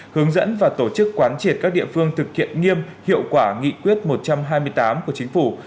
hướng dẫn và tổ chức quán triệt các địa phương thực hiện nghiêm hiệu quả nghị quyết một trăm hai mươi tám của chính phủ